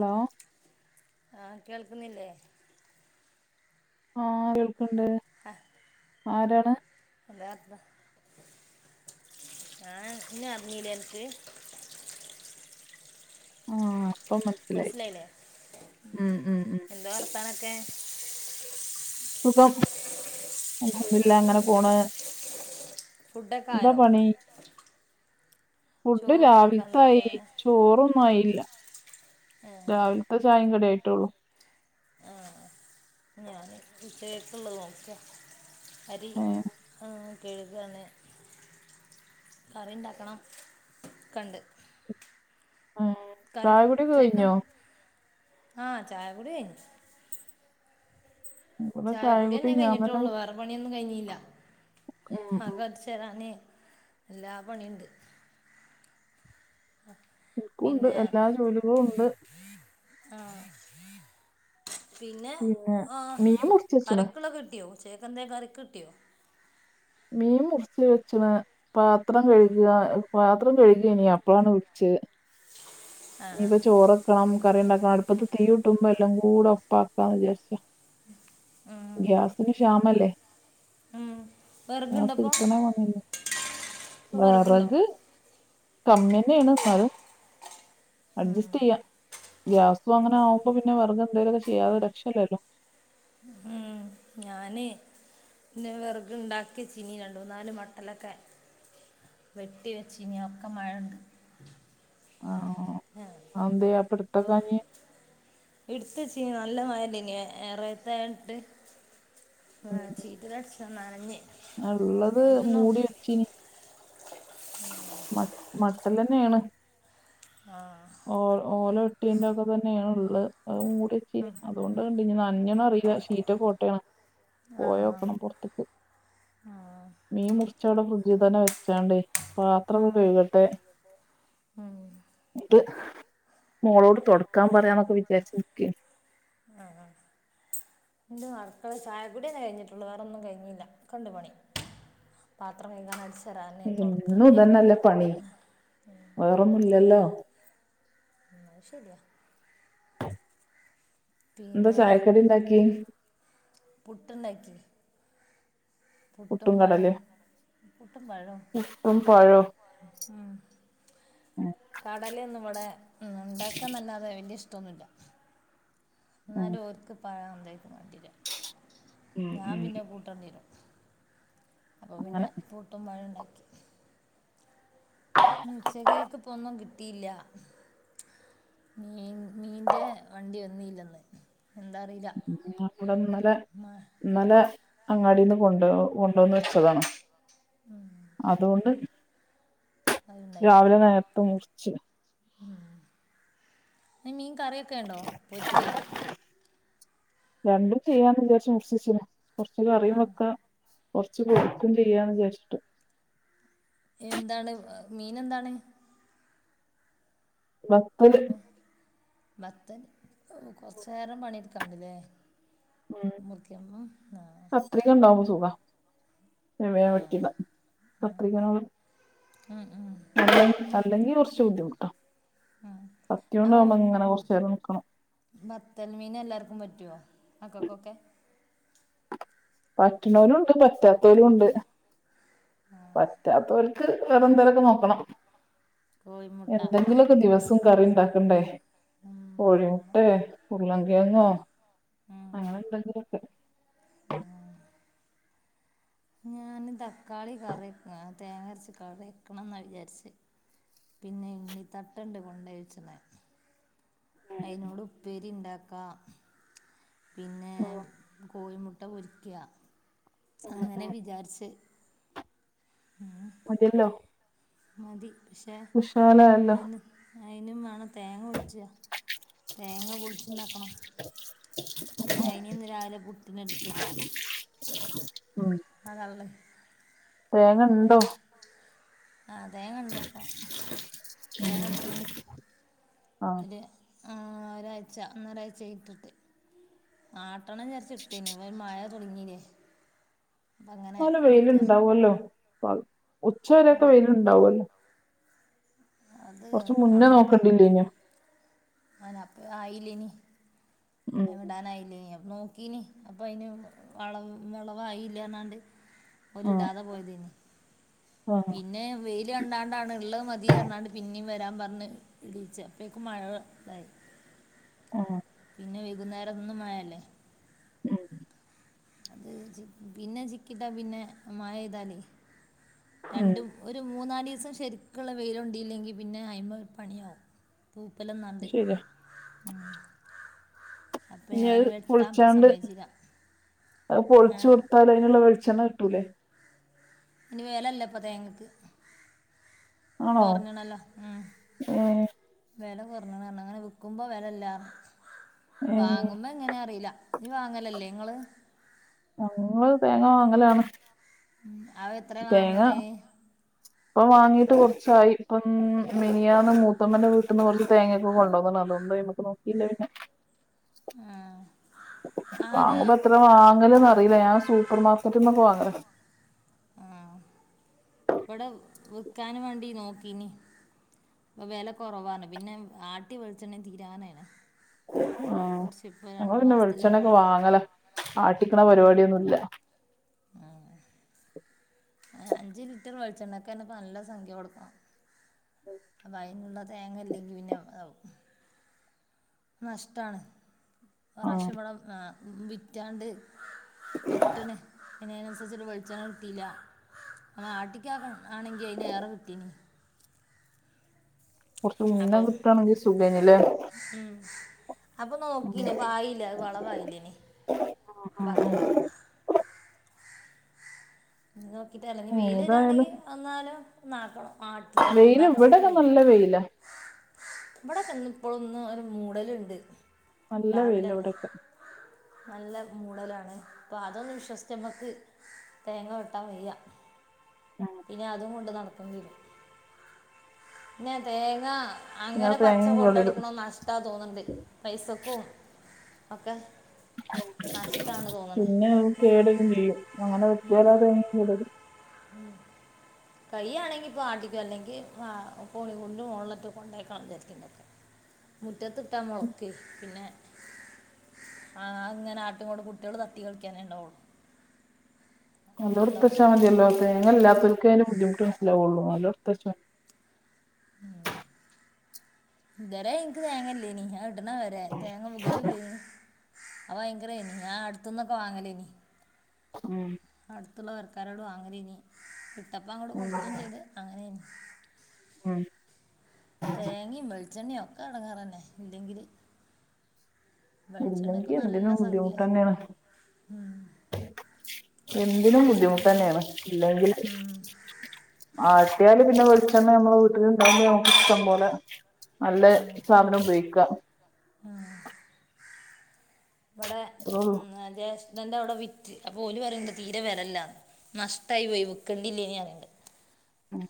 Hello ആഹ് കേൾക്കുന്നില്ലേ ആഹ് കേൾക്കണ്ട് [inaudible] ആരാണ് [unintelligible] ആഹ് ഇന്നെ അറിഞ്ഞിലെ അനക്ക് ആഹ് മനസ്സിലായില്ലേ ഉം ഉം എന്താ വർത്താനൊക്കെ സുഖം അൽഹംദുലില്ലാ അങ്ങനെ പോണ് എന്താ ഫുഡൊക്കെയായോ? പണി ഫുഡ് ചോറുണ്ടാക്കാൻ രാവിൽത്തായി നിക്കാണ് ചോറൊന്നായില്ല. ഏഹ്. രാവിൽത്തെ ചായിം കടി ആയിട്ടൊള്ളൂ. ഏഹ് ഞാന് ഉച്ചകെക്ക്ള്ളഹ് നോക്ക്അ അരി ഏ ആഹ് കെഴ്കാണ് കറിണ്ടാക്കണം ക്കെണ്ട്. ആഹ് ചായകുടി ഒക്കെ ഉച്ചക്ക് കയിഞ്ഞോ ആഹ് ചായകുടി കയ്ഞ്ഞ്. ഇവിടെ ചായ കുടി ചായക്കുടിന്നെ ഞാൻ തന്നെ കയിഞ്ഞിട്ടൊള്ളൂ കുടിച്ചു വേറെ പണിയൊന്നും കയ്ഞ്ഞീല്ല. ഉം ഉം അകഅടിചേരാന് എല്ലാ പണിണ്ട്. ആഹ് എനിക്കുണ്ട് പിന്നെ എല്ലാ ജോലികളും ഉണ്ട് ആഹ് പിന്നെ ആഹ് മീൻ മുറിച്ച് വെച്ചണ് കറിക്ക്‌ള്ളൊക്കെകിട്ട്യോ ഉച്ചക്കെക്കെന്തേം കറിക്ക് ട്ട്യോ മീം മുറിച് വെച്ച്ണ്. പാത്രം കെഴ്ക് [unintelligible] പാത്രം കെഴ്കേനി അപ്പളാണ് വിൾചെഹ്. നി ആഹ് പ്പൊ ചോറെക് ക്കണം ക്കറിണ്ടാക്കാ അടുപ്പത് തീയൂട്ടുമ്പോ എല്ലംകൂടെ ഒപ്പാക്കാന്ന് ജാര്ച്ച്. ഗ്യാസിന് ക്ഷാമല്ലേ ഉം ഗ്യാസ് വിറകുണ്ടപ്പോ കിട്ട്ണെഹ് പണിയല്ലേ ഇപ്പൊ വിറകുണ്ടോ വെറക് കമ്മിന്നേണ് ന്നാലും അഡ്ജസ്റ്റെയ്യാ ഗ്യാസു അങ്ങനെ ആവുമ്പോ പിന്നെ വെറെക് എന്തേലുംക്കെ ചെയ്യാതെ രക്ഷല്ലല്ലോ. ഉം ഞാന് ന്നെ വെർക് ണ്ടാക്കിയെച്ചിനി രണ്ടൂന്നാല് മട്ടലൊക്കെ. വെട്ടിവെച്ചിനീ അഹ് ഒക്കെ മഴൊണ്ട്. ആഹ് അഹ് അയ് ന്തേ അപ്പട്ത്തെക്കാഞ്ഞ് ഇട്ത്തെച്ചീനു നല്ല മഴല്ലെയ്നി എ എറെത്തായോണ്ട് എഹ് ചീ റ്റലടിച്ച് അഹ് നനഞ്ഞ്. ഞ ഉള്ളത് ഇപ്പൊ നോ മൂടി വെച്ചിനി. മട്ട് മട്ടല്ലെന്നേണ്. ആഹ് ഓ ഓല വെട്ടിന്റൊക്കെതന്നേണ്ള്ളഹ് അതു മൂടി അ ഹ്. [unintelligible] ണ്ട് കണ്ടിനി നന്ഞ്ഞ്ണോ അറീല ഷീറ്റ് പോട്ട്ണ് ആഹ് പോയോക്കണം പൊർത്ത്ക്ക്. ആഹ് മീം മുറിചാടെ ഫ്രിഡ്ജ് തന്നെ വെച്ചാണ്ട് പാത്രൊക്കെ ഉം കെഴ്കട്ടെ. ഉം ന്ന്ട്ട് മോളോട് തൊടക്കാം പറയാന്നൊക്കെ വിചാരിച്ച് ന്ന്ക്കേയ്ന്. ഇൻ്റെ മക്കളെ ചായകുടിയെന്നെ കയിഞ്ഞിട്ടുള്ളൂ വേറോന്നും കഴിഞ്ഞില്ല ക്കണ്ട് പണി. പാത്രം കെയ്കണം അടിച് എന്നുംതന്നല്ലേ പണി വേറൊന്നുംല്ലല്ലോ. ആഹ് അയ് ശെര്യാ. ന്താ ചായക്കടി ണ്ടാക്കി പുട്ട്ണ്ടാക്കി. പുട്ടും മ്പഴം പുട്ടും മ്പഴം പുട്ടും പഴവും ഉം കടലൊന്നും ഇവടെ ണ്ടാക്കാന്നെല്ലാതെ വെല്ല്യ ഇഷ്ടൊന്നുല്ല. ഉം ന്നാലും ഓര്ക്ക് പഴം എന്തേക്കും വാണ്ടിയെരാ ഉം ഞാ ഉം പിന്നെ കൂട്ടണ്ടിരും. അപ്പ പിന്നെ അങ്ങനെ പുട്ടും പഴും ണ്ടാക്കി. ന്ന് ഉച്ച കേക്ക് ഇപ്പോ ഒന്നും കിട്ടില്ല. മീൻ മീന്റെ വണ്ടി വന്നീല്ല ന്ന്. എന്താറില്ല. [unintelligible] വടെന്നലെ ന്നലെ അങ്ങാടിന്ന് കൊണ്ടോ കൊണ്ടോന്ന് വെച്ചതാണ്. അതുകൊണ്ട് അത്ണ്ടായി രാവിലെ നേരത്തെ മുറിച്ച് [unintelligible] ഉം ഈ മീൻ കറിവെ ക്കെണ്ടോ പൊരിക്കേ. രണ്ടും ചെയ്യാന്ന് വിചാരിച്ച മേടിച്ച് വെച്ച. കുറച്ച് ആ കറിയും വെക്ക, കുറച്ച് പൊരിക്കും ചെയ്യാന്ന് വിചാരിച്ചിട്ട്. എന്താണ് മീൻ എന്താണ്? വത്തല്. ബത്തൻ കൊറച്ചു നേരം പണിടുക്കാണ്ടില്ലേ. ഉം കത്രിക ഉണ്ടാവുമ്പോ സുഖാ. ആ [unintelligible] ഉം ഉം [unintelligible] അല്ലെങ്കി കുറച്ച് ബുദ്ധിമുട്ടാ. ഉം അപ്പൊ കത്തിയോണ്ടാവുമ്പോ ഇങ്ങനെ ഉം കുറച്ച് നേരം നിക്കണം ബത്തൽ മീന് എല്ലാർക്കും പറ്റുവോ? മക്കക്കൊക്കെ. പറ്റണവലും ഉണ്ട് പറ്റാത്തവലും ഉണ്ട്. പറ്റാത്തവർക്ക് വേറെന്തെലൊക്കെ നോക്കണം. കോഴിമുട്ട എന്തെങ്കിലുമൊക്കെ ദിവസം കറിയുണ്ടാ ക്കണ്ടേ. കോഴിമുട്ടെ, ഉള്ളംകെഴങ്ങോ അങ്ങനെ എന്തെങ്കിലും. ഉം. ഞാന് തക്കാളി കറി വക്ക തേങ്ങ അരച്ച് കറി വക്കണം എന്നാ വിചാരിച്ച്. പിന്നെ എണ്ണി തട്ടുണ്ട് കൊണ്ടെ വച്ചണെ. അയിനോട് ഉപ്പേരി ഉണ്ടാക്കാം. പിന്നെ ഉം കോയിമുട്ട പൊരിക്ക. അങ്ങനെ വിചാരിച്ച്. മ്മ്ഹ്. മതീല്ലോ. മതി. പക്ഷെ വിശാലായല്ലോ അയ്ന് അയിനും വേണം തേങ്ങ ഒഴിച്ച. തേങ്ങ [inaudible] ഉണ്ടായിന ഇന്ന് രാവിലെ പുട്ടിനെടുത്ത്. ഉം [unintelligible] തേങ്ങ ഉണ്ടോ? ആ തേങ്ങ ണ്ട്‌പ്പോ, തേങ്ങടുത്തിന്. ആഹ്. ഒരു ആ ഒരാഴ്ച ഒന്നൊരാഴ് ചായി ഇട്ടിട്ട്. ആട്ടെണം വിചാരിച്ചിട്ടിന്. [unintelligible] മഴ തുടങ്ങില്ലേ. നല്ല വെയിലുണ്ടാവുല്ലോ, ഉച്ചവരെക്കെ വെയിലുണ്ടാവുല്ലോ. അത് കുറച്ചു മുന്നേ നോക്കണ്ടില്ലേന്. ആന അപ്പ ആയില്ലേനി. ഉം [unintelligible] ഇടാനായില്ലേനി അപ്പ നോ ക്കിനി, അപ്പ അയിന് വള വെളവായില്ലാന്നാണ്ട്, ഓല് ആഹ് ഇടാതെ പോയതിനി. ആഹ് പി ന്നെ വെയില് കണ്ടാണ്ടാണ് ഉള്ളത് മതി പറഞ്ഞാണ്ട് പിന്നേം വരാൻ പറഞ്ഞ് ഇടിച്ചേ. അപ്പേക്ക് മഴ തായി. ആഹ്. പിന്നെ വൈകുന്നേരം എന്നും മഴയലേ. ഉം അത് പിന്നെ ചിക്കിട്ടാ പിന്നെ മഴ പെയ്താലേ ഉം രണ്ടും, ഒരു മൂന്നാലിസം ശരിക്കുള്ള വെയിലുണ്ടെലിങ്കി പിന്നെ അയ്മ ഒരു പണിയാവും. പൂപ്പലന്നാണ്ട്. ശരിയാ ഉം അപ്പ ഇനി ഞാന് അത് വെട്ടാ അപ്പ പൊളിച്ചാണ്ട് സമ്മയിച്ചില്ല. അത് പൊളിച്ചു കൊടുത്താല് അതിനുള്ള വെളിച്ചെണ്ണ കിട്ടൂലേ. [unintelligible] വേലല്ല ഇപ്പ തേങ്ങക്ക്. ആണോ കുറഞ്ഞണല്ലോ ഉം ഏ വില കുറഞ്ഞ പറ അങ്ങനെ വിൽക്കുമ്പോ വിലല്ല ഏ വാങ്ങുമ്പോ എങ്ങനെ അറിയില്ല ഇത് വാങ്ങലല്ലേ നിങ്ങള് ഞങ്ങൾ തേങ്ങ വാങ്ങലാണ് അത് എത്രയാ വാങ്ങണെ ഇപ്പം വാങ്ങീട്ട് കുറച്ചായി ഇപ്പം മിനിയാന്ന് മൂത്തമ്മന്റെ വീട്ടിൽ നിന്ന് കുറച്ച് തേങ്ങൊക്കെ കൊണ്ടുുവന്ന അതുകൊണ്ട് പ്പ നോക്കിയില്ല പിന്നെ ആഹ് വാങ്ങുമ്പ എത്ര വാങ്ങല്ന്ന് അറിയില്ല ഞാൻ സൂപ്പർ മാർക്കറ്റന്നൊക്കെ വാങ്ങല ആഹ് ഇവിടെ വിക്കാൻ വേണ്ടി നോക്കീന് അപ്പൊ വില കുറവാണ് പിന്നെ ആട്ടി വെളിച്ചെണ്ണ തീരാനോണ് ആഹ് ഞങ്ങൾ പിന്നെ വെളിച്ചെണ്ണൊക്കെ മാസത്തിലേറായി വാങ്ങല ആട്ടിക്കണ പരിപാടിയൊന്നുംല്ല അഞ്ചു ലിറ്റർ വെളിച്ചെണ്ണക്കെന്ന നല്ല സംഖ്യ കൊടുക്കാം അപ്പം അതിനുള്ള തേങ്ങല്ലെങ്കിൽ പിന്നെ നഷ്ടമാണ് ഒരു ആ പ്രാവശ്യം ഇവിടെ വിറ്റാണ്ട് പെട്ടിണ് പിന്നെ അതിനനുസരിച്ചി് വെളിച്ചെണ്ണ കിട്ടയില്ല നമ്മ ആട്ടിക്ക ആണെങ്കിൽ അതിനന് ഏറെ കിട്ടീന് കുറച്ച് മുന്ന കുട്ടാണെങ്കിൽ സുഗൈനില് ഉം അപ്പം നോക്കീന അപ്പ ആയില്ല അത് വളവായില്ലന അപ്പം ഉം അങ്ങനെന്നതാണ് നോക്കിട്ട അല്ല ന ഉം വെയിൽ ഏതായാലും വരിവാണെങ്കിൽ വന്നാലോ ക്കണം ആട്ടിക്കണം വെയില് എന്താക്കണം ഇവിടെക്കെ ഇവിടെ നല്ല വെയിലാ [unintelligible] ഇപ്പോളൊന്ന് ഒരു മൂടലുണ്ട് നല്ല രാവിലെ വെയില തന്നെ ഇവിടെക്കെ നല്ല മൂടലാണ് അപ്പൊ അതൊന്ന് വിശ്വസിച്ചമ്മക്ക് തേങ്ങ വെട്ടാൻ വയ്യ ഉം പിന്നെ അതും കൊണ്ട് നടക്കണ്ടി വരും പിന്നാ തേങ്ങ പിന്നെ ആ അങ്ങനെ പച്ച തേങ്ങയും കൊണ്ട കുളരും എടുക്കണം നഷ്ട ട്ടാ തോന്നണ്ട് പൈസക്കും ഒക്കെ നഷ്ടമാണ് തോന്നണേ പിന്നെ കേടക്കെ ചെയ്യും അങ്ങനെ [unintelligible] ഉം കൈ്യയാണെങ്കിൽ ഇപ്പോൾ ആട്ടിക്കും അല്ലെങ്കിൽ ഫോണിൽ കൊണ്ടും ഓൺലറ്റും കൊണ്ടുേക്കണം [unintelligible] മുറ്റത്ത്ട്ടാ മുളകും പിന്നെ ആഹ് അങ്ങനെ ആട്ടുംങ്ങോട്ട കുട്ടികള് തത്തി കളിക്കാനേ ഉണ്ടാവുള്ളു [unintelligible] അല്ലൊർത്തച്ചാൽ ഉണ്ടാവുള്ളൂ മതിയല്ലാ [unintelligible] അതിന് ബുദ്ധിമുട്ട് മനസ്സിലാവുള്ളൂ അല്ലാത്തവർക്ക് ഉം ഇതുരെ എനിക്ക് തേങ്ങല്ലേനീ ഇട്ടണ വരെ തേങ്ങ മുകലില്ലേ ആഹ് ഭയങ്കര ഇനി ഞാൻ അടുത്തന്നൊക്കെ വാങ്ങലേ ഇനി ഉം അടുത്തുള്ളവർക്കാരോട് വാങ്ങാലെനി ഇട്ടപ്പ അങ്ങോട്ട കൊടുത്തും ഉം ചെയ്ത് അങ്ങനെനി ഉം തേങ്ങയും വെളിച്ചെണ്ണിയും ഒക്കെ അടങ്ങാറന്നെ ഇല്ലെങ്കില് ഇല്ലെങ്കി വെളിച്ചെണ്ണക്ക് നല്ല എന്തിനും സംഖ്യ ബുദ്ധിമുട്ട് തന്നെയാണ് ഉം എന്തിനും ബുദ്ധിമുട്ട് തന്നെയാണ് ഇല്ലെങ്കിൽ ആട്ടിയാല് പിന്നെ വെളിച്ചെണ്ണ നമ്മെ വീട്ടില ഇഷ്ടം പോലെ നല്ല സാധനം ഉപയോഗിക്കാം ഇവിടെ അത്രേ ഉള്ളൂ ഉം ഹസ്ബൻ്റ അവിടെ വിറ്റ് പോലി പറയണ്ട് തീരെ വിലയില്ലെന്ന് നഷ്ടായി പോയി വെക്കേണ്ടില്ലല്ലേ പറിയണ്ട് ആഹ്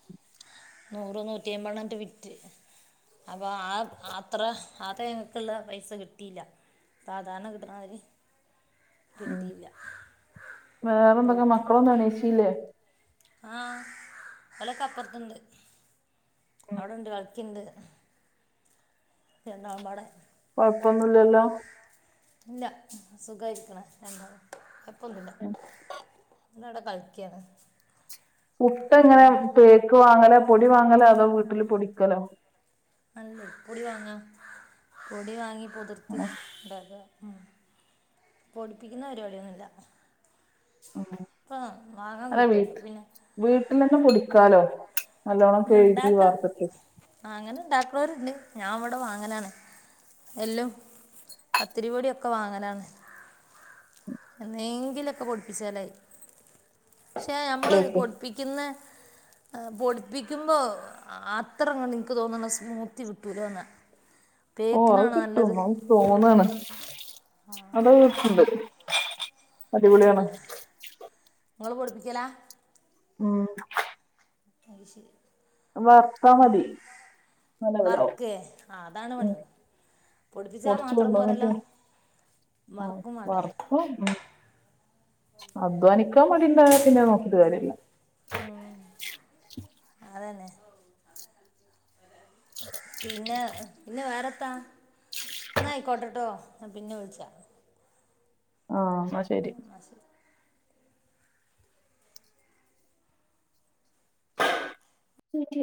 നൂറ് നൂറ്റിയമ്പണ്ണട്ട് വിറ്റ് അപ്പോൾ ആഹ് അത്ര അഹ് തേങ്ങൾക്കുള്ള പൈസ കിട്ടിയില്ല സാരണ കിട്ടണവരി ഉം കിട്ടിയില്ല [unintelligible] പ്പ ന്നണേശില്ലേ ആഹ് ഓലൊക്ക അപ്പറത്ണ്ട് അവിടെണ്ട് അൾക്കിണ്ട് രണ്ടാൾമ്പാടെ കുഴപ്പൊന്നുല്ലല്ലോ ഇല്ല സുഖായിരിക്ക്ണ് രാണ്ടാളു എപ്പൊന്നുല്ല ന്നവിടെ കളിക്ക്യാണ് മുട്ട ഇങ്ങനെ പേക്ക് വാങ്ങല പൊടി വാങ്ങല അതോ വീട്ടിൽ പൊടിക്കലോ അല്ലെ പ്പൊടി വാങ്ങ പൊടി വാങ്ങി പൊതിർത്ത് ണ്ടാക ഉം പൊടിപ്പിക്കുന്ന പരിപാടിയൊന്നുല്ല ഉം വാങ്ങാൻ അതെ കിട്ടുമല്ലോ വീട് പിന്നെ വീട്ടിന്നെക്കെ പൊടിക്കാലോ നല്ലോണം കഴുകി ങ്ങുണ്ടാക്ക വാർത്തിട്ട് ആഹ് അങ്ങനെണ്ടാക്ണോരുണ്ട് ഞാൻ ഇവിടെ വാങ്ങലാണ് എല്ലും പത്തിരിപൊടിയൊക്കെ വാങ്ങലാണ് എന്നേങ്കിലൊക്കെ പൊടിപ്പിച്ചാലായി ക്ഷേ ഞമ്മള് ലേക്ക് പൊടിപ്പിക്കുന്ന എഹ് പൊട് പ്പിക്കുമ്പോ അത്രങ്ങൻക്ക് തോന്ന്ണെ സ്മൂത്തി കിട്ടൂലാന്ന ഓ അത് പേക്കിനാണോ നല്ലത് കിട്ടും അത് തോന്നാണ് അത ണ്ട് ആഹ് ങ്ങള് പൊഠിപ്പിക്കലാ ഉം അഹ് ശരി വറുത്താ ഉം മതി നല്ല ലെവലാവും വർക്കേ ആഹ് അതാണ് ഉം വണി പൊടിപ്പിച്ചാ പൊടിച്ചു മാത്രം പോരെല്ലോ കൊണ്ടോന്നിട്ട് ആ വറക്കും വേണ്ടേ [unintelligible] അധ്വാനിക്കാൻ മടിണ്ടായ പിന്നെ നോക്കിട്ട് കാര്യല്ല ഉം അതന്നെ പിന്നെ പിന്നെ വേറെ എത്താ എന്നയിക്കോട്ടട്ടോ പിന്നെ വിളിച്ചാ ആഹ് ന്നാ ഷ് ആഹ് ന്നാ ശരി [unintelligible]